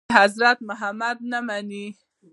د حضرت محمد نه مني.